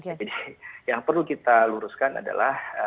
jadi yang perlu kita luruskan adalah